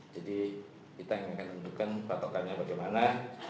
jadi kita ingin menentukan patokannya bagaimana